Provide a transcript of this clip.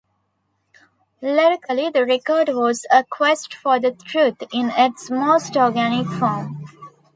Lyrically, the record was a quest for the truth in its most organic form.